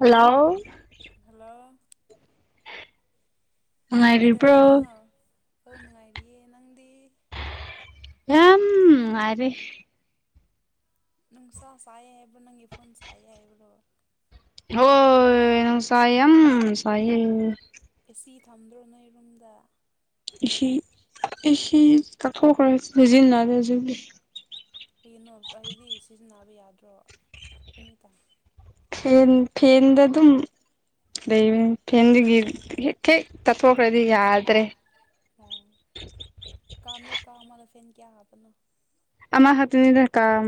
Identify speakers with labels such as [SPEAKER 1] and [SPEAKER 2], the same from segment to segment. [SPEAKER 1] Hello.
[SPEAKER 2] Hello. ꯀꯩꯗꯧꯔꯤꯅꯣ
[SPEAKER 1] ꯅꯨꯡꯉꯥꯏꯔꯤꯕ꯭ꯔꯣ
[SPEAKER 2] ꯑꯧ ꯅꯨꯡꯉꯥꯏꯔꯤꯌꯦ ꯅꯪꯗꯤ꯫
[SPEAKER 1] ꯌꯥꯝ ꯅꯨꯡꯉꯥꯏꯔꯤ꯫
[SPEAKER 2] ꯅꯨꯡꯁꯥ ꯁꯥꯏ ꯍꯥꯏꯕ꯭ꯔꯣ ꯅꯪꯒꯤ ꯐꯣꯟ ꯁꯥꯏꯌꯦ ꯍꯥꯏꯕ꯭ꯔꯣ꯫
[SPEAKER 1] ꯍꯣꯏ ꯅꯨꯡꯁꯥ ꯌꯥꯝ ꯁꯥꯏꯌꯦ꯫
[SPEAKER 2] ꯑꯦꯁꯤ ꯊꯝꯗ꯭ꯔꯣ ꯅꯣꯏ ꯔꯨꯝꯗ꯫
[SPEAKER 1] ꯏ ꯁꯤ ꯑꯦꯁꯤ ꯇꯛꯊꯣꯛꯈꯔꯦ [unintelligible] ꯍꯧꯖꯤꯛꯇꯤ
[SPEAKER 2] ꯀꯩꯒꯤꯅꯣ ꯍꯥꯏꯗꯤ ꯁꯤꯖꯤꯟꯅꯕ ꯌꯥꯗ꯭ꯔꯣ ꯑꯦꯅꯤ ꯇꯥꯏꯝ꯫
[SPEAKER 1] ꯐꯦꯟ ꯐꯦꯟꯗ ꯑꯗꯨꯝ꯫ ꯂꯩꯕꯅꯦ ꯐꯦꯟꯗꯒꯤ ꯍꯦꯛ ꯍꯦꯛ ꯆꯠꯊꯣꯛꯈ꯭ꯔꯗꯤ ꯌꯥꯗ꯭ꯔꯦ
[SPEAKER 2] ꯌꯥꯗꯔꯦ ꯀꯥꯝ ꯀꯥ ꯑꯃꯗ ꯐꯦꯟ ꯀꯌꯥ ꯍꯥꯞꯄꯅꯣ꯫
[SPEAKER 1] ꯑꯃꯈꯛꯇꯅꯤꯗ ꯀꯥꯝ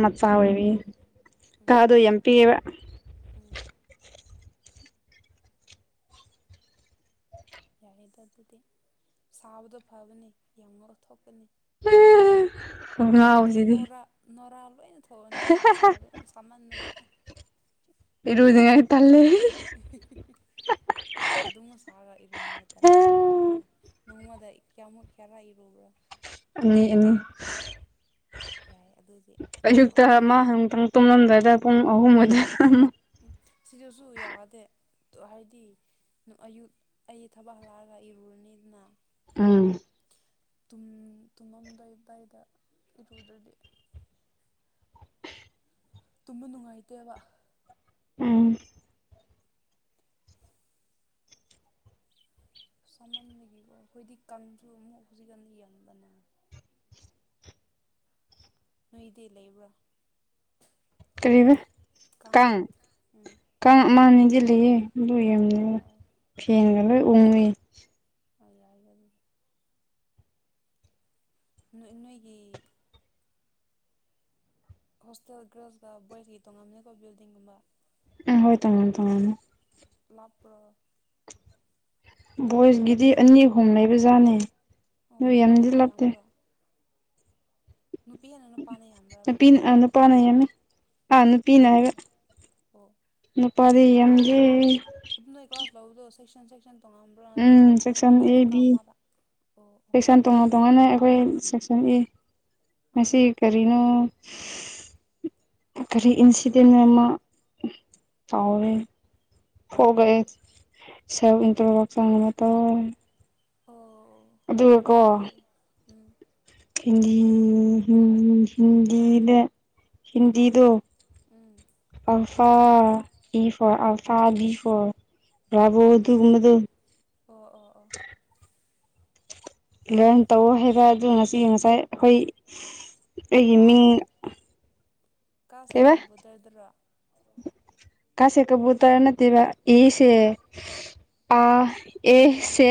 [SPEAKER 1] ꯃꯆꯥ ꯑꯣꯏꯕꯒꯤ ꯀꯗꯣ
[SPEAKER 2] ꯎꯝ
[SPEAKER 1] ꯌꯥꯝ ꯄꯤꯛꯑꯦꯕ
[SPEAKER 2] ꯎꯝ ꯌꯥꯔꯦꯗ ꯑꯗꯨꯗꯤ ꯁꯥꯕꯗꯣ ꯐꯕꯅꯤ ꯌꯥꯝ ꯉꯧꯊꯣꯛꯄꯅꯤ
[SPEAKER 1] ꯍꯨꯝ
[SPEAKER 2] ꯅꯪꯒꯤ ꯅꯨꯔ ꯅꯨꯔ ꯂꯣꯏꯅ ꯊꯣꯛ ꯊꯣꯛꯑꯅꯦꯕ ꯁꯥꯕ ꯁꯥꯃꯟꯕꯒꯤ
[SPEAKER 1] ꯏꯔꯨꯅꯤꯡꯉꯥꯏ ꯇꯜꯂꯦ
[SPEAKER 2] ꯑꯗꯨꯝꯒ ꯁꯥꯔꯒ ꯏꯔꯨꯅꯤꯉꯦ ꯇꯜꯂꯦ ꯑꯩꯗꯤ ꯂꯩꯔꯦ ꯅꯣꯡꯃꯗ ꯀꯌꯥꯃꯨꯛ ꯀꯌꯥꯔ ꯏꯔꯨꯕ꯭ꯔꯥ
[SPEAKER 1] ꯑꯅꯤ ꯑꯅꯤ
[SPEAKER 2] ꯌꯥꯏ ꯑꯗꯨꯗꯤ ꯌꯥꯝ
[SPEAKER 1] ꯑꯌꯨꯛꯇ ꯑꯃ
[SPEAKER 2] ꯉꯧꯊꯣꯛꯑꯅꯤ
[SPEAKER 1] ꯅꯨꯡꯗꯥꯡ ꯇꯨꯡꯂꯝꯗꯥꯏꯗ ꯄꯨꯡ ꯑꯍꯨꯝ ꯑꯗꯥꯏꯗ ꯑꯃ
[SPEAKER 2] ꯁꯤꯗꯁꯨ ꯌꯥꯗꯦ ꯍꯥꯏꯗꯤ ꯑꯌꯨꯛ ꯑꯩ ꯊꯕꯛ ꯍꯜꯂꯛꯑꯒ ꯏꯔꯨꯔꯅꯤꯗꯅ
[SPEAKER 1] ꯎꯝ
[SPEAKER 2] ꯇꯨꯝ ꯇꯨꯝꯃꯝꯗꯥꯏ ꯑꯗꯨꯋꯥꯏꯗ ꯏꯔꯨꯗ꯭ꯔꯗꯤ ꯇꯨꯝꯕ ꯅꯨꯡꯉꯥꯏꯇꯦꯕ
[SPEAKER 1] ꯎꯝ
[SPEAKER 2] ꯁꯥꯃꯟꯕꯤꯥꯒꯤꯀꯣ ꯑꯩꯈꯣꯏꯗꯤ ꯀꯟꯁꯨ ꯑꯃꯨꯛ ꯍꯧꯖꯤꯛ ꯑꯃꯨꯛ ꯌꯦꯟꯕꯅꯦ ꯅꯣꯏꯗꯤ ꯂꯩꯕ꯭ꯔꯣ
[SPEAKER 1] ꯀꯔꯤꯕ
[SPEAKER 2] ꯀꯥꯡ
[SPEAKER 1] ꯀꯪ
[SPEAKER 2] ꯎꯝ
[SPEAKER 1] ꯀꯪ ꯑꯃꯅꯤꯗꯤ ꯂꯩꯌꯦ ꯑꯗꯨ ꯌꯦꯡꯉꯨꯕ
[SPEAKER 2] ꯑꯧ
[SPEAKER 1] ꯐꯦꯟꯒ ꯂꯣꯏ ꯎꯪꯉꯤ
[SPEAKER 2] [unintelligible] ꯅꯣꯏ ꯅꯣꯏꯒꯤ ꯍꯣꯁꯇꯦꯜ ꯒꯥꯔꯜꯁꯀ ꯕꯣꯏꯁꯀꯤ ꯇꯣꯡꯉꯥꯟꯕꯅꯤꯀꯣ ꯕꯤꯜꯗꯤꯡꯒꯨꯝꯕ
[SPEAKER 1] ꯎꯝ ꯍꯣꯏ ꯇꯣꯉꯥꯟ ꯇꯣꯉꯥꯟꯂꯦ
[SPEAKER 2] ꯂꯥꯞꯄ꯭ꯔꯣ
[SPEAKER 1] ꯕꯣꯏꯁꯀꯤꯗꯤ ꯑꯅꯤ ꯑꯍꯨꯝ ꯂꯩꯕꯖꯥꯠꯅꯦ
[SPEAKER 2] ꯑꯣ
[SPEAKER 1] ꯅꯣꯏ ꯌꯥꯝꯗꯤ
[SPEAKER 2] ꯅꯨꯄꯥꯁꯤꯡꯅ
[SPEAKER 1] ꯂꯥꯞꯇꯦ
[SPEAKER 2] ꯅꯨꯄꯤꯅ ꯍꯥꯟꯅ ꯅꯨꯄꯥꯅ ꯌꯥꯝ
[SPEAKER 1] ꯅꯨꯄꯤꯅ ꯑꯥ ꯅꯨꯄꯥꯅ ꯌꯥꯝꯃꯦ ꯑꯥ ꯅꯨꯄꯤꯅ
[SPEAKER 2] ꯑꯣ
[SPEAKER 1] ꯍꯥꯏꯕ
[SPEAKER 2] ꯑꯣ
[SPEAKER 1] ꯅꯨꯄꯥꯗꯤ ꯌꯥꯝꯗꯦ
[SPEAKER 2] ꯑꯗꯨ ꯅꯣꯏ ꯀ꯭ꯂꯥꯁ ꯂꯧꯕꯗꯣ ꯁꯦꯛꯁꯟ ꯁꯦꯛꯁꯟ ꯇꯣꯡꯉꯝꯕ꯭ꯔꯥ ꯅꯠꯇꯅ
[SPEAKER 1] ꯎꯝ ꯁꯦꯛꯁꯟ
[SPEAKER 2] ꯂꯣꯏꯅ
[SPEAKER 1] ꯑꯦ
[SPEAKER 2] ꯀꯥ
[SPEAKER 1] ꯕꯤ
[SPEAKER 2] ꯑꯃꯥꯗ
[SPEAKER 1] ꯁꯦꯛꯁꯟ ꯇꯣꯉꯥꯟ ꯇꯣꯉꯥꯟꯂꯦ ꯑꯩꯈꯣꯏ ꯁꯦꯛꯁꯟ ꯑꯦ
[SPEAKER 2] ꯑꯣ
[SPEAKER 1] ꯉꯁꯤ ꯀꯔꯤꯅꯣ ꯀꯔꯤ ꯏꯟꯁꯤꯗꯦꯟ ꯑꯃ ꯇꯥꯎꯋꯦ ꯐꯣꯒꯦ ꯁꯦꯜ ꯏꯟꯇꯔꯗꯛꯁꯟꯒꯗꯣ ꯇꯧꯑꯦ
[SPEAKER 2] ꯍꯣ
[SPEAKER 1] ꯑꯗꯨꯒꯀꯣ ꯍꯤꯟꯗꯤ ꯍꯤꯟꯗꯤꯗ ꯍꯤꯟꯗꯤꯗꯣ
[SPEAKER 2] um
[SPEAKER 1] alpha E for alpha B for ꯔꯕꯣ ꯑꯗꯨꯒꯨꯝꯕꯗꯣ
[SPEAKER 2] ꯑꯣ ꯑꯣꯥ ꯑꯣꯥ
[SPEAKER 1] ꯂꯔꯟ ꯇꯧ ꯍꯥꯏꯕ ꯑꯗꯨ ꯉꯁꯤ ꯉꯁꯥꯏ ꯑꯩꯈꯣꯏ ꯑꯩꯒꯤ ꯃꯤꯡ
[SPEAKER 2] ꯀꯥ ꯁꯦ
[SPEAKER 1] ꯀꯩꯕ
[SPEAKER 2] ꯀꯥꯕꯨꯇꯔꯗꯨꯔꯣ
[SPEAKER 1] ꯀꯥ ꯁꯦ ꯀꯕꯨꯇꯔ ꯅꯠꯇꯦꯕ ꯑꯦ ꯁꯦ ꯑꯥ ꯑꯦ ꯁꯦ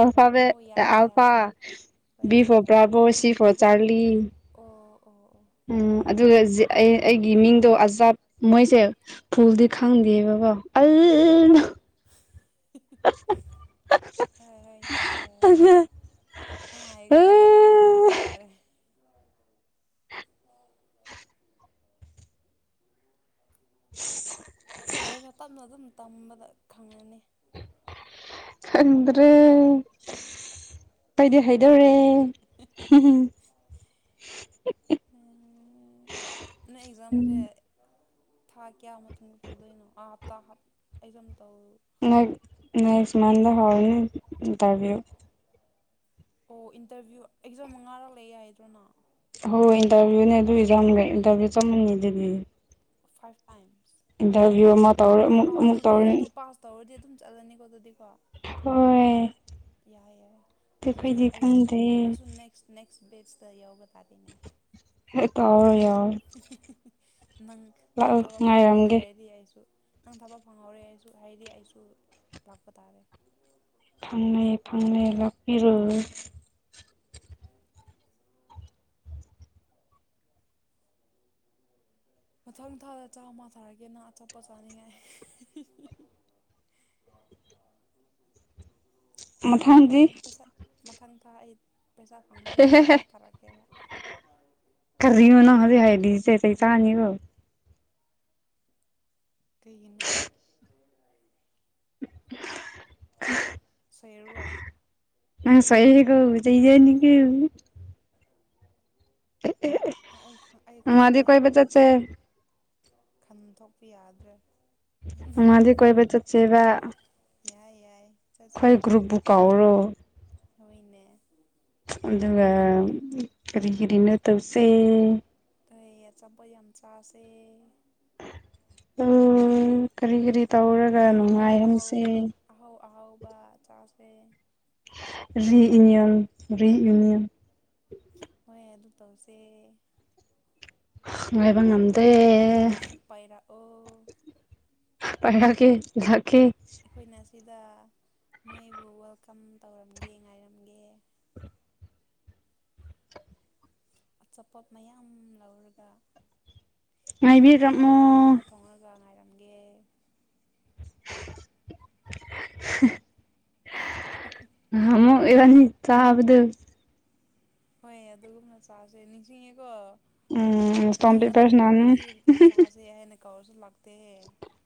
[SPEAKER 1] ꯑꯜꯐꯥꯕꯦꯠ
[SPEAKER 2] ꯑꯣ ꯌꯥꯔꯦ
[SPEAKER 1] ꯑꯜꯐꯥ
[SPEAKER 2] ꯌꯥꯔꯦ ꯍꯣꯏ ꯍꯣꯏ ꯍꯣꯏ
[SPEAKER 1] ꯕꯤ
[SPEAKER 2] ꯍꯣꯏ
[SPEAKER 1] ꯐꯣꯔ
[SPEAKER 2] ꯌꯥꯔꯦ
[SPEAKER 1] ꯕ꯭ꯔꯥꯒꯣ ꯁꯤ ꯐꯣꯔ ꯆꯥꯔꯂꯤ
[SPEAKER 2] ꯑꯣ ꯑꯣ ꯑꯣ
[SPEAKER 1] ꯎꯝ ꯑꯗꯨꯒ ꯑꯩ ꯑꯩꯒꯤ ꯃꯤꯡꯗꯣ ꯑꯖꯥꯠ ꯃꯣꯏꯁꯦ
[SPEAKER 2] ꯎꯝ
[SPEAKER 1] ꯐꯨꯜꯗꯤ ꯈꯪꯗꯦꯕꯀꯣ ꯑꯜ
[SPEAKER 2] ꯍꯣꯏ ꯍꯣꯏ ꯌꯥꯔꯦ ꯌꯥꯔꯦ [unintelligible] ꯑꯩ ꯀ꯭ꯌꯥꯟ ꯇꯥꯔꯦ
[SPEAKER 1] ꯑꯦ
[SPEAKER 2] ꯌꯥꯔꯦ
[SPEAKER 1] [unintelligible]
[SPEAKER 2] ꯌꯥꯢꯗ ꯇꯞꯅ ꯑꯗꯨꯝ ꯇꯝꯕꯗ ꯈꯪꯉꯅꯤ
[SPEAKER 1] ꯈꯗ꯭ꯔꯦ ꯄꯩꯗꯦ ꯍꯩꯗꯧꯔꯦ ꯍꯝ
[SPEAKER 2] ꯅ ꯑꯦꯛꯖꯥꯝ ꯖꯦ ꯊꯥ ꯀꯌꯥ ꯃꯇꯨꯡꯗ ꯇꯧꯗꯣꯏꯅꯣ ꯑꯥ ꯍꯥꯞꯇꯥꯞ ꯑꯩ ꯑꯗꯨꯝ ꯇꯧ
[SPEAKER 1] [unintelligible] ꯅ ꯏꯁꯃꯗ ꯍꯥꯎꯅꯤ ꯇꯕꯤꯌꯨ
[SPEAKER 2] ꯑꯣ ꯏꯟꯇꯔꯚꯤꯌꯨ ꯑꯦꯛꯖꯥꯝ ꯃꯉꯥꯔꯛ ꯂꯩꯌꯦ ꯌꯥꯏꯗ꯭ꯔꯣꯅ
[SPEAKER 1] ꯍꯣꯏ ꯏꯟꯇꯔꯚꯤꯌꯨꯅꯦ ꯑꯗꯨꯢꯖꯝꯒꯦ ꯏꯟꯇꯔꯚꯤꯌꯨ ꯆꯃꯟꯅꯩ ꯑꯗꯨꯗꯤ
[SPEAKER 2] ꯐꯥꯏꯚ ꯇꯥꯏꯝꯁ
[SPEAKER 1] ꯏꯟꯇꯔꯚꯤꯌꯨ ꯑꯃ ꯇꯧꯔ ꯑꯃꯨꯛ
[SPEAKER 2] ꯑꯥ
[SPEAKER 1] ꯑꯃꯨꯛ
[SPEAKER 2] ꯑꯗꯨꯗꯤ
[SPEAKER 1] ꯇꯧꯔꯤ
[SPEAKER 2] ꯑꯗꯨ ꯄꯥꯁ ꯇꯧꯔꯗꯤ ꯑꯗꯨꯝ ꯆꯠꯂꯅꯤꯀꯣ ꯑꯗꯨꯗꯤꯀꯣ
[SPEAKER 1] ꯍꯣꯢ
[SPEAKER 2] ꯌꯥꯏ ꯌꯥꯏ ꯑꯗꯨꯗꯤ ꯑꯩꯁꯨ
[SPEAKER 1] ꯈꯪꯗꯦ
[SPEAKER 2] ꯑꯩꯁꯨ ꯅꯦꯛꯁ ꯅꯦꯛꯁ ꯄꯦꯠꯁꯤꯇ ꯌꯥꯎꯕ ꯇꯥꯔꯦꯅꯦ
[SPEAKER 1] ꯍꯦ ꯇꯧꯔꯔꯣꯢ ꯌꯥ
[SPEAKER 2] ꯅꯪ ꯅꯪ
[SPEAKER 1] ꯂꯥꯛꯑꯣ
[SPEAKER 2] ꯊꯕꯛ ꯐꯪꯍꯧꯔꯦ
[SPEAKER 1] ꯉꯥꯏꯔꯝꯒꯦ
[SPEAKER 2] ꯍꯥꯏꯗꯤ ꯑꯩꯁꯨ ꯅꯪ ꯊꯕꯛ ꯐꯪꯍꯧꯔꯦ ꯑꯩꯁꯨ ꯍꯥꯏꯗꯤ ꯑꯩꯁꯨ ꯂꯥꯛꯄ ꯇꯥꯔꯦ
[SPEAKER 1] ꯐꯪꯅꯩ ꯐꯪꯅꯩ ꯂꯥꯛꯄꯤꯔꯨ
[SPEAKER 2] [unintelligible] ꯃꯊꯪ ꯊꯥꯗ ꯆꯥꯝꯃ ꯊꯥꯔꯛꯒꯦꯅ ꯅꯪ ꯑꯆꯣꯞꯄꯣꯠ ꯆꯥꯅꯤꯡꯉꯥꯏ ꯄꯩꯁꯥ
[SPEAKER 1] ꯃꯊꯪꯗꯤ
[SPEAKER 2] ꯄꯩꯁꯥ ꯃꯊꯪ ꯊꯥ ꯑꯩ ꯄꯩꯁꯥ ꯐꯪꯕꯒꯅ ꯄꯩꯁꯥ ꯊꯥꯔꯛꯀꯦꯕ
[SPEAKER 1] [unintelligible]
[SPEAKER 2] ꯀꯩꯒꯤꯅꯣ ꯁꯦꯔꯋꯥ
[SPEAKER 1] ꯉ ꯁꯍꯦ ꯍꯦꯛꯒ ꯆꯩꯖꯅꯤ ꯀ
[SPEAKER 2] ꯑꯥ ꯑꯩ ꯑꯩ
[SPEAKER 1] ꯅꯣꯡꯃꯗꯤ
[SPEAKER 2] ꯑꯩ
[SPEAKER 1] ꯀꯣꯏꯕ ꯆꯠꯁꯦ
[SPEAKER 2] ꯈꯟꯗꯣꯛꯄ ꯌꯥꯗ꯭ꯔꯦ
[SPEAKER 1] ꯑꯉꯗꯤ ꯀꯣꯏꯕ ꯆꯠ ꯆꯦꯕ
[SPEAKER 2] ꯌꯥꯏ ꯌꯥꯏ
[SPEAKER 1] ꯑꯩꯈꯣꯏ ꯒ꯭ꯔꯨꯞꯕꯨ ꯀꯥꯎꯔꯣ
[SPEAKER 2] ꯊꯑꯣꯏꯅꯦ
[SPEAKER 1] ꯑꯗꯨꯒ ꯀꯔꯤꯒꯤꯔꯤꯅ ꯇꯧꯁꯤ
[SPEAKER 2] ꯀꯩ ꯑꯆꯥꯄꯣꯠ ꯌꯥꯝ ꯆꯥꯁꯦ
[SPEAKER 1] ꯎꯝ ꯀꯔꯤ ꯀꯔꯤ ꯇꯧꯔꯒ
[SPEAKER 2] ꯑꯍꯥꯎ
[SPEAKER 1] ꯅꯨꯡꯉꯥꯏꯍꯟꯁꯦ
[SPEAKER 2] ꯑꯍꯥꯎꯕ ꯑꯍꯥꯎ ꯑꯍꯥꯎꯕ ꯆꯥꯁꯦ
[SPEAKER 1] ꯔꯤꯌꯨꯅꯤꯌꯟ ꯔꯤꯌꯨꯅꯤꯌꯟ
[SPEAKER 2] ꯍꯣꯏ ꯑꯗꯨ ꯇꯧꯁꯦ
[SPEAKER 1] ꯉꯥꯏꯕ ꯉꯝꯗꯦ
[SPEAKER 2] ꯅꯣꯏꯁꯨ ꯄꯥꯏꯔꯛꯑꯣ
[SPEAKER 1] ꯄꯥꯏꯔꯛꯀꯦ ꯂꯥꯛꯀꯦ
[SPEAKER 2] ꯑꯩꯈꯣꯏꯅ ꯁꯤꯗ ꯅꯣꯏꯕꯨ ꯋꯦꯜꯀꯝ ꯇꯧꯔꯝꯒꯦ ꯉꯥꯏꯔꯝꯒꯦ ꯑꯆꯥꯄꯣꯠ ꯃꯌꯥꯝ ꯂꯧꯔꯒ ꯌꯦꯟꯁꯥꯡ ꯑꯍꯥꯎ
[SPEAKER 1] ꯉꯥꯏꯕꯤꯔꯝꯃꯣ
[SPEAKER 2] ꯑꯍꯥꯎꯕ ꯊꯣꯡꯉꯒ ꯉꯥꯏꯔꯝꯒꯦ
[SPEAKER 1] [unintelligible] ꯉꯍꯥꯟꯃꯨꯛ ꯏꯕꯥꯅꯤ ꯆꯥꯕꯗꯨ
[SPEAKER 2] ꯍꯣꯏ ꯑꯗꯨꯒꯨꯝꯅ ꯆꯥꯁꯦ ꯅꯤꯡꯁꯤꯡꯉꯦꯀꯣ
[SPEAKER 1] ꯎꯝ ꯏꯁꯇꯣꯟ
[SPEAKER 2] ꯃꯤ
[SPEAKER 1] ꯄꯦꯄꯔ ꯁꯥꯟꯅꯅꯤ
[SPEAKER 2] ꯑꯇꯣꯞꯄꯕꯨꯗꯤ ꯆꯥꯁꯦ ꯍꯥꯏꯅ ꯀꯧꯔꯁꯨ ꯂꯥꯛ ꯇꯦ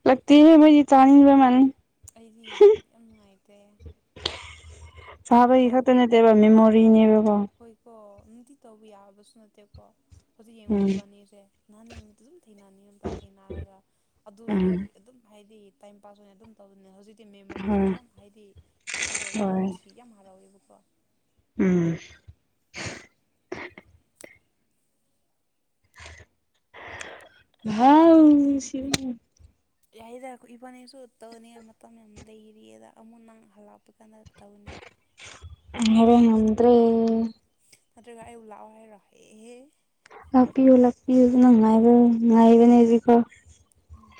[SPEAKER 1] ꯂꯛꯇꯦꯍꯦ ꯃꯣꯏꯗꯤ ꯆꯥꯅꯤꯡꯕ ꯃꯥꯜꯂꯤ
[SPEAKER 2] ꯑꯩꯗꯤ ꯌꯥꯝ ꯅꯨꯡꯉꯥꯏꯇꯦ ꯑꯩꯕꯨ
[SPEAKER 1] ꯆꯥꯕꯩ
[SPEAKER 2] ꯀꯧ
[SPEAKER 1] ꯈꯛꯇꯥ ꯅꯠꯇꯦꯕ ꯃꯦꯃꯣꯔꯤꯅꯦꯕ ꯀꯣ
[SPEAKER 2] ꯍꯣꯏꯀꯣ ꯅꯨꯡꯇꯤ ꯇꯧꯕ ꯌꯥꯕꯁꯨ ꯅꯠꯇꯦꯀꯣ ꯍꯧꯖꯤꯛ ꯌꯦꯡꯉꯣ
[SPEAKER 1] ꯎꯝ
[SPEAKER 2] ꯏꯕꯥꯅꯤꯁꯦ ꯅꯍꯥꯟ ꯅꯨꯃꯤꯠꯇꯨ ꯑꯗꯨꯝ ꯊꯦꯡꯅꯅꯤꯡꯏ ꯊꯦꯡꯅꯔꯒ ꯑꯗꯨꯁꯨ
[SPEAKER 1] ꯎꯝ
[SPEAKER 2] ꯑꯗꯨꯝ ꯍꯥꯏꯗꯤ ꯇꯥꯏꯝ ꯄꯥꯁ ꯑꯣꯏꯅ ꯑꯗꯨꯝ ꯇꯧꯕꯅꯦ ꯍꯧꯖꯤꯛꯇꯤ ꯃꯦꯃꯣꯔꯤꯁꯨ
[SPEAKER 1] ꯍꯣꯏ
[SPEAKER 2] ꯌꯥꯝ ꯍꯥꯏꯗꯤ ꯈꯜꯂꯒ ꯌꯥꯝ
[SPEAKER 1] ꯍꯣꯏ
[SPEAKER 2] ꯅꯨꯡꯁꯤ ꯌꯥꯝ ꯍꯔꯥꯎꯋꯦꯕꯀꯣ
[SPEAKER 1] ꯎꯝ ꯃꯍꯥꯎ ꯅꯨꯡꯁꯤꯕꯅꯤ
[SPEAKER 2] ꯌꯥꯏꯗ ꯑꯩꯈꯣꯏ ꯏꯕꯥꯅꯤꯁꯨ ꯇꯧꯅꯤ ꯃꯇꯝ ꯌꯥꯝ ꯂꯩꯔꯤꯌꯦꯗ ꯑꯃꯨꯛ ꯅꯪ ꯍꯜꯂꯛꯄ ꯀꯥꯟꯗ ꯇꯧꯅꯤ
[SPEAKER 1] [unintelligible] ꯉꯝꯗ꯭ꯔꯦ
[SPEAKER 2] ꯅꯠꯇ꯭ꯔꯒꯥ ꯑꯩꯕꯨ ꯂꯥꯛꯑꯣ ꯍꯥꯏꯔꯣ ꯑꯦ ꯍꯦ
[SPEAKER 1] ꯂꯥꯛꯄꯤꯌꯨ ꯂꯥꯛꯄꯤꯌꯨ ꯅꯪ ꯉꯥꯏꯕꯥ ꯉꯥꯏꯕꯅꯦ ꯍꯧꯖꯤꯛꯐꯥꯎ
[SPEAKER 2] ꯎꯝ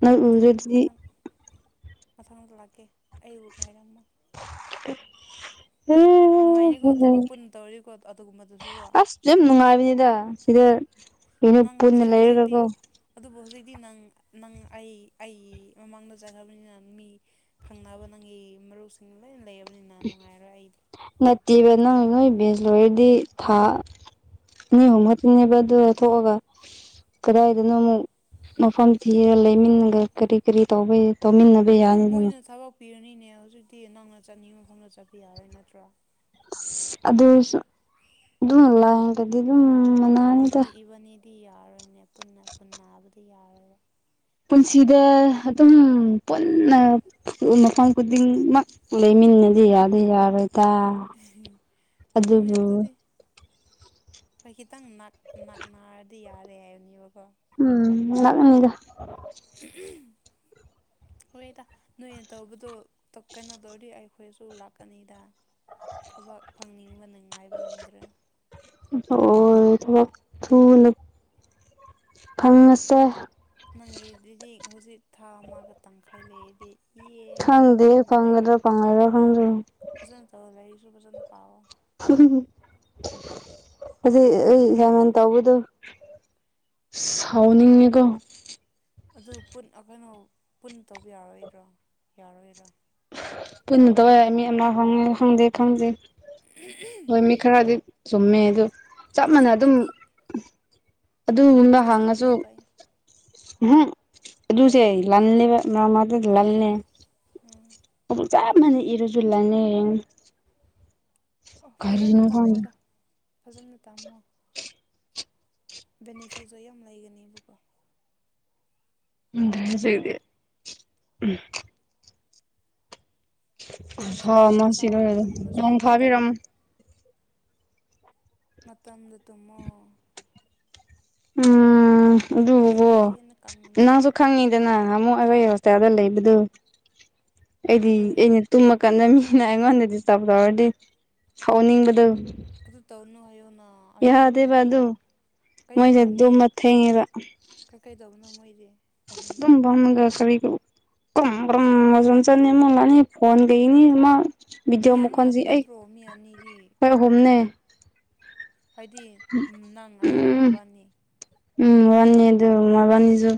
[SPEAKER 1] ꯅꯪ
[SPEAKER 2] ꯃꯊꯪ
[SPEAKER 1] ꯎꯗ꯭ꯔꯗꯤ
[SPEAKER 2] ꯃꯊꯪ ꯃꯊꯪꯗ ꯂꯥꯛꯀꯦ ꯑꯩꯕꯨꯨ ꯉꯥꯏꯔꯝꯃꯣ
[SPEAKER 1] [unintelligible]
[SPEAKER 2] ꯅꯨꯡꯉꯥꯏꯅꯤꯀꯣ ꯊꯕꯛ ꯄꯨꯟꯅ ꯇꯧꯔꯗꯤꯀꯣ ꯑꯗꯨꯒꯨꯝꯕꯗꯨꯁꯨꯀꯣ
[SPEAKER 1] ꯑꯁ ꯌꯥꯝ
[SPEAKER 2] ꯅꯠꯇ꯭ꯔꯣ
[SPEAKER 1] ꯅꯨꯡꯉꯥꯏꯕꯅꯤꯗ ꯁꯤꯗ ꯀꯩꯅꯣ
[SPEAKER 2] ꯅꯪ
[SPEAKER 1] ꯄꯨꯟꯅ
[SPEAKER 2] ꯍꯧꯖꯤꯛ ꯍꯧꯖꯤꯛꯇꯤ
[SPEAKER 1] ꯂꯩꯔꯒꯀꯣ
[SPEAKER 2] ꯑꯗꯨꯕꯨ ꯍꯧꯖꯤꯛꯇꯤ ꯅꯪ ꯅꯪ ꯑꯩ ꯑꯩ ꯃꯃꯥꯡꯗ ꯆꯠꯈ꯭ꯔꯕꯅꯤꯅ ꯃꯤ ꯈꯪꯅꯕ ꯅꯪꯒꯤ ꯃꯔꯨꯞꯁꯤꯡ ꯂꯣꯏ ꯂꯩꯔꯕꯅꯤꯅ ꯅꯨꯡꯉꯥꯏꯂꯣꯏ ꯑꯩꯗꯤ
[SPEAKER 1] ꯅꯠꯇꯦꯕ ꯅꯪ ꯅꯣꯏ ꯕꯦꯁ ꯂꯣꯏꯔꯗꯤ ꯊꯥ ꯑꯅꯤ ꯍꯨꯝ ꯈꯛꯇꯅꯦꯕ ꯑꯗꯨ ꯊꯣꯛꯑꯒ ꯀꯗꯥꯏꯗꯅꯣ ꯑꯃꯨꯛ ꯃꯐꯝ ꯊꯤꯔꯒ ꯂꯩꯃꯤꯟꯅ ꯀꯔꯤ ꯀꯔꯤ ꯇꯧꯕꯩ ꯇꯧꯃꯤꯟꯅꯕ
[SPEAKER 2] ꯍꯝ
[SPEAKER 1] ꯌꯥꯅꯤꯗꯅ
[SPEAKER 2] ꯃꯣꯏꯅ ꯊꯕꯛ ꯄꯤꯔꯅꯤꯅꯦ ꯍꯧꯖꯤꯛꯇꯤ ꯅꯪꯅ ꯆꯠꯅꯤꯡꯕ ꯃꯐꯝꯗ ꯆꯠꯄ ꯌꯥꯔꯦ ꯅꯠꯇ꯭ꯔꯥ
[SPEAKER 1] ꯑꯁ ꯑꯗꯨꯁꯨ ꯑꯗꯨꯝ [unintelligible] [unintelligible] ꯑꯗꯨꯝ ꯃꯅꯛꯇꯥ
[SPEAKER 2] ꯑꯗꯨꯗꯤ ꯏꯕꯅꯤꯗꯤ ꯌꯥꯔꯣꯏꯅꯦ ꯄꯨꯟꯅ ꯄꯨꯟꯅ ꯅꯥꯕꯗꯤ ꯌꯥꯔꯔꯣꯏ
[SPEAKER 1] ꯄꯨꯟꯁꯤꯗ ꯑꯗꯨꯝ ꯄꯨꯟꯅ ꯃꯐꯝ ꯈꯨꯗꯤꯡꯃꯛ ꯂꯩꯃꯤꯟꯅꯗꯤ ꯌꯥꯗꯤ ꯌꯥꯔꯣꯏꯗꯥ
[SPEAKER 2] [unintelligible] ꯆꯨꯝꯃꯦ ꯑꯗꯨꯗꯤ ꯍꯣꯏ ꯈꯤꯇꯪ ꯅꯛ ꯅꯛꯔꯗꯤ ꯌꯥꯔꯦ ꯍꯥꯏꯕꯅꯦꯕꯀꯣ
[SPEAKER 1] ꯎꯝ ꯅꯛꯅꯩꯗꯥ
[SPEAKER 2] [unintelligible] ꯍꯣꯏꯇꯥ ꯅꯣꯏꯅ ꯇꯧꯕꯗꯣ ꯇꯣꯛ ꯀꯩꯅꯣ ꯇꯧꯔꯗꯤ ꯑꯩꯈꯣꯏꯁꯨ ꯂꯥꯛꯀꯅꯤꯗ ꯊꯕꯛ ꯐꯪꯅꯤꯡꯕꯅ ꯉꯥꯏꯕ ꯉꯝꯗ꯭ꯔꯦ
[SPEAKER 1] [unintelligible] ꯑꯣ ꯊꯕꯛ ꯊꯨꯅꯤ ꯊꯝꯃꯁꯦ
[SPEAKER 2] ꯅꯪꯒꯤ ꯑꯗꯨꯗꯤ ꯍꯧꯖꯤꯛ ꯊꯥ ꯑꯃꯒ ꯇꯪꯈꯥꯏ ꯂꯩꯔꯗꯤ ꯌꯦ ꯊꯕꯛ
[SPEAKER 1] ꯈꯪꯗꯦ
[SPEAKER 2] ꯐꯪꯒ꯭ꯔꯦ
[SPEAKER 1] ꯐꯪꯒꯗ꯭ꯔꯥ ꯐꯪꯉꯣꯏꯗ꯭ꯔꯥ ꯈꯪꯗ꯭ꯔꯦ
[SPEAKER 2] ꯐꯥꯖꯅ ꯇꯧ ꯂꯥꯏꯔꯤꯛꯁꯨ ꯐꯥꯖꯅ ꯄꯥꯎꯑꯣ
[SPEAKER 1] [unintelligible] ꯑꯗꯨ ꯑꯩ [unintelligible] ꯇꯧꯕꯗꯣ ꯁꯥꯎꯅꯤꯡꯉꯦꯀꯣ
[SPEAKER 2] ꯑꯗꯨ ꯄꯨꯟ ꯀꯩꯩꯅꯣ ꯄꯨꯟꯅ ꯇꯧꯕ ꯌꯥꯔꯣꯏꯗ꯭ꯔꯣ ꯌꯥꯔꯣꯏꯔꯥ
[SPEAKER 1] ꯄꯨꯟꯅ ꯇꯧꯋꯦ ꯃꯤ ꯑꯃ ꯍꯪꯉꯦ ꯈꯪꯗꯦ ꯈꯪꯗꯦ ꯍꯣꯏ
[SPEAKER 2] [unintelligible]
[SPEAKER 1] ꯃꯤ ꯈꯔꯗꯤ ꯆꯨꯝꯃꯦ ꯑꯗꯨ ꯆꯞ
[SPEAKER 2] ꯆꯥꯠ
[SPEAKER 1] ꯃꯥꯅ
[SPEAKER 2] ꯖꯤ ꯄꯤ
[SPEAKER 1] ꯑꯗꯨꯝ
[SPEAKER 2] ꯇꯤ
[SPEAKER 1] ꯑꯗꯨꯒꯨꯝꯕ
[SPEAKER 2] ꯆꯥꯠ ꯖꯤ ꯄꯤ
[SPEAKER 1] ꯍꯪꯉꯁꯨ
[SPEAKER 2] ꯇꯤ ꯄꯥꯏ
[SPEAKER 1] ꯎꯝꯍꯨ ꯑꯗꯨꯁꯦ ꯂꯜꯂꯦꯕ ꯃꯃꯗ ꯂꯜꯂꯦ
[SPEAKER 2] ꯎꯝ
[SPEAKER 1] ꯆꯥꯞ ꯃꯅꯥ ꯏꯔꯥꯖꯨ ꯂꯜꯂꯦ ꯌꯦꯡꯉꯨ
[SPEAKER 2] ꯑꯣ ꯐꯖꯅ
[SPEAKER 1] ꯀꯔꯤꯅꯣ ꯈꯪꯗꯦ
[SPEAKER 2] ꯇꯝꯃꯣꯗ ꯐꯖꯅ ꯇꯥꯝꯃꯣ ꯕꯦꯅꯤꯐꯤꯠꯁꯨ ꯌꯥꯝ ꯂꯩꯒꯅꯦꯕꯀꯣ
[SPEAKER 1] [unintelligible] ꯎꯝ
[SPEAKER 2] ꯆꯥꯛꯁꯨ
[SPEAKER 1] ꯈꯨꯁꯥ ꯑꯃ
[SPEAKER 2] ꯐꯖꯅ
[SPEAKER 1] ꯁꯤ
[SPEAKER 2] ꯆꯥꯎ
[SPEAKER 1] ꯂꯣꯏꯔꯦ
[SPEAKER 2] ꯇꯨꯝꯕꯁꯨ
[SPEAKER 1] ꯅꯣꯡ
[SPEAKER 2] ꯃꯇꯝ
[SPEAKER 1] ꯐꯥꯕꯤꯔꯝꯃꯣ
[SPEAKER 2] ꯃꯇꯝꯗ ꯇꯨꯝꯃꯣ
[SPEAKER 1] ꯎꯝ ꯑꯗꯨꯒꯀꯣ
[SPEAKER 2] ꯑꯗꯨꯗꯤ ꯍꯦꯟꯅ
[SPEAKER 1] ꯅꯪꯁꯨ
[SPEAKER 2] ꯀꯪꯕꯅꯦ
[SPEAKER 1] ꯈꯪꯉꯤ ꯗꯅ ꯑꯃꯨꯛ ꯑꯩꯈꯣꯏ ꯍꯣꯁꯇꯦꯜꯗ ꯂꯩꯕꯗꯨ ꯑꯩꯗꯤ
[SPEAKER 2] ꯍꯣꯏ
[SPEAKER 1] ꯑꯩꯅ ꯇꯨꯝꯃ ꯀꯟꯗ ꯃꯤꯅ ꯑꯩꯉꯣꯟꯗ ꯗꯤꯁꯇꯥꯕ ꯇꯧꯔꯗꯤ ꯁꯥꯎꯅꯤꯡꯕꯗꯣ
[SPEAKER 2] ꯑꯗꯨ ꯇꯧꯅꯨ ꯍꯥꯏꯌꯣꯅ ꯑꯍꯤꯡꯗ
[SPEAKER 1] ꯑꯗꯨ
[SPEAKER 2] ꯇꯨꯝꯕꯖꯨ ꯀꯩꯅꯣ
[SPEAKER 1] ꯃꯣꯏꯁꯦ
[SPEAKER 2] ꯃꯣꯏ
[SPEAKER 1] ꯇꯨꯝꯕ ꯊꯦꯡꯉꯦꯕ
[SPEAKER 2] ꯀꯩ ꯀꯩꯗꯧꯕꯅꯣ ꯃꯣꯏꯗꯤ ꯑꯍꯤꯡꯗ
[SPEAKER 1] ꯇꯨꯝꯕ [unintelligible] [unintelligible]
[SPEAKER 2] ꯃꯤ ꯑꯅꯤ ꯉꯥꯛꯇ ꯅꯠꯇ꯭ꯔꯣ ꯃꯤ ꯑꯅꯤꯒꯤ
[SPEAKER 1] ꯨꯍꯨꯝꯅꯦ
[SPEAKER 2] ꯍꯥꯏꯗꯤ ꯅꯪ ꯑꯗꯨꯒ
[SPEAKER 1] ꯎꯝ
[SPEAKER 2] ꯃꯕꯥꯅꯤ
[SPEAKER 1] ꯎꯝ ꯃꯥꯟꯅꯦ ꯑꯗꯨ ꯃꯕꯅꯤꯖꯨ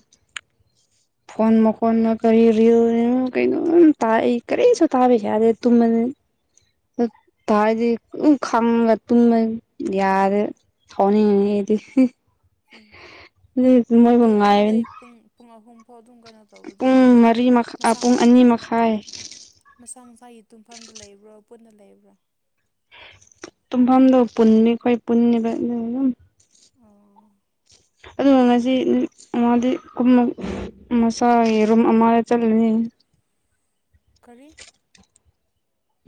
[SPEAKER 1] ꯐꯣꯟ ꯃꯈꯣꯟꯅ ꯀꯔꯤ ꯔꯤꯜꯅꯣ ꯀꯩꯅꯣꯝ ꯇꯥꯏ ꯑꯩ ꯀꯔꯤꯁꯨ ꯇꯥꯕ ꯌꯥ ꯌꯥꯗꯦ ꯇꯨꯝꯃꯅꯤ ꯇꯔꯗꯤ ꯑꯗꯨꯝ ꯈꯪꯂ ꯇꯨꯝꯃ ꯌꯥꯔꯦ ꯁꯥꯎꯅꯤꯡꯉꯤꯉꯦꯗꯤ
[SPEAKER 2] ꯎꯝ
[SPEAKER 1] ꯑꯗꯨꯖꯨ ꯃꯣꯏꯕꯨ
[SPEAKER 2] ꯑꯗꯣ ꯑꯗꯨꯝ ꯅꯣꯏ
[SPEAKER 1] ꯉꯥꯏꯕꯅꯤ
[SPEAKER 2] ꯄꯨꯡ ꯄꯨꯡ ꯑꯍꯨꯝ ꯐꯥꯎ ꯑꯗꯨꯝ ꯀꯩꯅꯣ ꯇꯧꯕꯗꯣ
[SPEAKER 1] ꯄꯨꯡ
[SPEAKER 2] ꯃꯐꯝ
[SPEAKER 1] ꯃꯔꯤ ꯃꯈꯥ ꯄꯨꯡ
[SPEAKER 2] ꯃꯁꯥꯃꯛ
[SPEAKER 1] ꯑꯅꯤ ꯃꯈꯥꯏ
[SPEAKER 2] ꯃꯁꯥ ꯃꯁꯥꯒꯤ ꯇꯨꯡꯐꯝꯗ ꯂꯩꯕ꯭ꯔꯣ ꯄꯨꯟꯅ ꯂꯩꯕ꯭ꯔꯥ
[SPEAKER 1] ꯇꯨꯝꯐꯝꯗꯣ ꯄꯨꯟꯅꯤ ꯑꯈꯣꯏ ꯄꯨꯟꯅꯤꯕ ꯑꯗꯨ ꯑꯗꯨꯝ
[SPEAKER 2] ꯑꯣ
[SPEAKER 1] ꯑꯗꯨꯒ ꯉꯁꯤ ꯅꯨꯠ ꯑꯃꯗꯤ ꯀꯨꯟꯃꯨꯛ ꯃꯆꯥ ꯌꯦꯔꯨꯝ ꯑꯃ ꯆꯜꯂꯅꯤ
[SPEAKER 2] ꯀꯔꯤ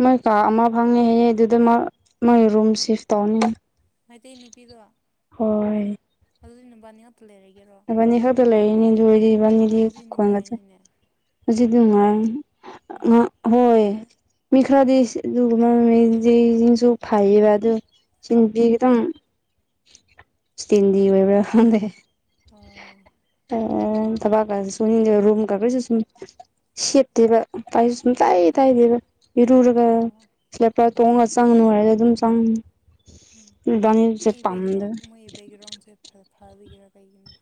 [SPEAKER 1] ꯃꯣꯏ ꯀꯥ ꯑꯃ ꯐꯪꯉꯦ ꯍꯌꯦ ꯑꯗꯨꯗ ꯃ ꯃꯣꯏ ꯔꯨꯝ ꯁꯤꯐ ꯇꯧꯅꯤ
[SPEAKER 2] ꯃꯩꯇꯩ ꯅꯨꯄꯤꯗꯣ
[SPEAKER 1] ꯍꯣꯏ
[SPEAKER 2] ꯑꯗꯨꯗꯤ ꯅꯨꯕꯅꯤ ꯉꯥꯛꯇ ꯂꯩꯔꯒꯦꯔꯣ
[SPEAKER 1] ꯏꯕꯥꯅꯤ ꯈꯛꯇ ꯂꯩꯔꯤꯅꯤꯗꯨꯗꯤ ꯏꯕꯥꯅꯤꯗꯤ
[SPEAKER 2] ꯑꯗꯨꯗꯤ ꯅꯨꯡꯉꯥꯏꯔꯅꯤꯅꯦ
[SPEAKER 1] [unintelligible] ꯍꯧꯖꯤꯛꯇꯤ ꯃꯣꯔꯥꯡ
[SPEAKER 2] ꯎꯝ
[SPEAKER 1] [unintelligible] ꯍꯣꯏ ꯃꯤ ꯈꯔꯗꯤ [unintelligible] ꯐꯩꯌꯦꯕ ꯑꯗꯨ ꯆꯤꯟꯕꯤ ꯈꯤꯇꯪ ꯏꯁꯇꯦꯟꯗꯤ ꯑꯣꯏꯕ꯭ꯔꯥ ꯈꯪꯗꯦ
[SPEAKER 2] ꯑꯣꯥ
[SPEAKER 1] ꯎꯝ ꯊꯥꯕꯥꯛꯀꯁꯦ ꯁꯅꯤꯡꯗꯦ ꯔꯨꯝꯀ ꯀꯁꯨꯝ ꯁꯤꯠꯇꯦꯕ [unintelligible]
[SPEAKER 2] ꯑꯥ
[SPEAKER 1] ꯁꯨꯡꯇꯩ ꯇꯩꯕꯤꯔꯣꯏ ꯏꯔꯨꯔꯒ
[SPEAKER 2] ꯑꯣ
[SPEAKER 1] ꯏꯁ꯭ꯂꯦꯄꯔ ꯇꯣꯡꯉ ꯆꯥꯡꯅꯨ ꯍꯥꯏꯔꯖꯨ ꯑꯗꯨꯝ ꯆꯥꯡ
[SPEAKER 2] ꯃꯣꯏ ꯕꯦꯛꯒ꯭ꯔꯥꯎꯟ ꯃꯣꯏ ꯕꯦꯛꯒ꯭ꯔꯥꯎꯟꯖꯦ ꯐ ꯐꯕꯒꯤꯔ ꯀꯩꯒꯤꯅꯣ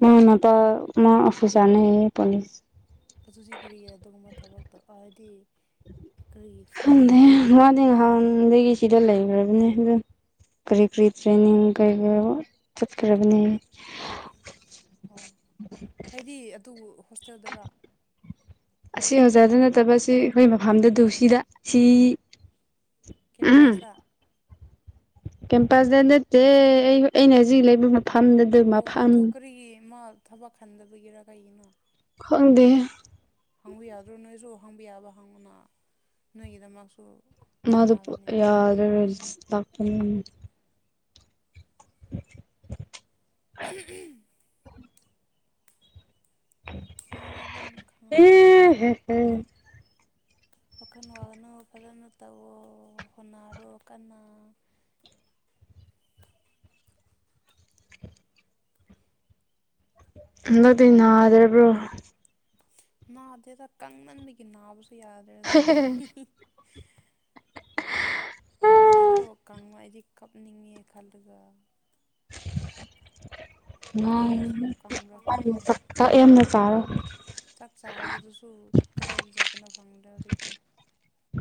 [SPEAKER 1] ꯃꯅꯄ ꯃꯥ ꯑꯣꯐꯤꯁ꯭ꯔꯅꯦ ꯍꯥꯏꯑꯦꯄꯣꯠꯅꯤ
[SPEAKER 2] ꯑꯗꯨꯗꯤ ꯀꯔꯤꯒꯤ ꯑꯗꯨꯒꯨꯝꯕ ꯊꯕꯛꯇ ꯑꯗꯤ
[SPEAKER 1] ꯈꯪꯗꯦ ꯃꯥꯗꯤ ꯉꯍꯥꯟꯗꯒꯤ ꯁꯤꯗ ꯂꯩꯒ꯭ꯔꯥꯕꯅꯦ ꯗꯨ ꯀꯔꯤ ꯀꯔꯤ ꯇ꯭ꯔꯦꯅꯤꯡ ꯀꯔꯤ [unintelligible] ꯆꯠꯈ꯭ꯔꯕꯅꯦ
[SPEAKER 2] ꯑꯣ ꯍꯥꯏꯗꯤ ꯑꯗꯨ ꯍꯣꯁꯇꯦꯜꯗꯔꯣ
[SPEAKER 1] ꯑꯁꯤ ꯑꯣꯖꯥꯗ ꯅꯠꯇꯕ ꯑꯁꯤ ꯑꯩꯈꯣꯏ ꯃꯐꯝꯗꯗꯨ ꯁꯤꯗ ꯁꯤ
[SPEAKER 2] ꯀꯦꯝꯄ꯭ꯁꯇ
[SPEAKER 1] ꯀꯦꯝꯄ꯭ꯁꯇ ꯅꯠꯇꯦ ꯑꯩ ꯑꯩꯅ ꯍꯧꯖꯤꯛ ꯂꯩꯕ ꯃꯐꯝꯗ
[SPEAKER 2] ꯑꯣ ꯑꯗꯨ ꯀ꯭ꯔꯤꯒꯤ ꯃꯥ ꯊꯕꯛ ꯈꯟꯗꯕꯒꯤꯔ ꯀꯩꯒꯤꯅꯣ
[SPEAKER 1] ꯈꯪꯗꯦ
[SPEAKER 2] ꯍꯪꯕ ꯌꯥꯗ꯭ꯔꯣ ꯅꯣꯏꯁꯨ ꯍꯪꯕꯤ ꯌꯥꯕ ꯍꯪꯉꯣꯅ ꯅꯣꯏꯒꯤꯗꯃꯛꯁꯨ
[SPEAKER 1] ꯃꯗꯨ
[SPEAKER 2] ꯀꯥꯟꯅꯒꯅꯤ
[SPEAKER 1] [unintelligible] ꯂꯥꯛꯄꯅꯤ
[SPEAKER 2] [unintelligible] ꯁꯤꯗꯩꯗ ꯑꯗꯨꯝ ꯈꯪꯉꯥꯛꯀꯅꯤ ꯅꯣꯏꯁꯨ
[SPEAKER 1] ꯎꯝ
[SPEAKER 2] ꯋꯥꯈꯜ ꯋꯥꯒꯅꯣ ꯐꯖꯅ ꯇꯧꯋꯣ ꯍꯣꯅꯔꯣ ꯀꯟꯅ
[SPEAKER 1] ꯍꯟꯗꯛꯇꯤ ꯅꯥꯗ꯭ꯔꯕ꯭ꯔꯣ
[SPEAKER 2] ꯅꯥꯗꯦꯗ ꯀꯪꯃꯟꯕꯒꯤ ꯅꯥꯕꯁꯨ ꯌꯥꯗ꯭ꯔꯦ ꯍꯧꯖꯤꯛꯇꯤ ꯑꯩꯗꯤꯀꯣ ꯀꯥꯡꯕ ꯑꯩꯗꯤ ꯀꯞꯅꯤꯡꯉꯦ ꯈꯜꯂꯒ ꯀꯩ ꯑꯁꯨꯃꯨꯛ ꯀꯪꯕ꯭ꯔꯥ ꯈꯪꯗꯦ
[SPEAKER 1] [unintelligible] ꯆꯥꯛ ꯌꯥꯝꯅ ꯆꯥꯔꯣ
[SPEAKER 2] ꯆꯥꯛ ꯆꯥꯕꯗꯨꯁꯨ ꯀꯗꯥꯏꯗ ꯆꯠꯄꯅ ꯈꯪꯗꯦ ꯍꯧꯖꯤꯛꯇꯤ